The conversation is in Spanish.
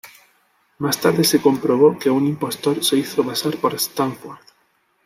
Más tarde se comprobó que un impostor se hizo pasar por Stanford.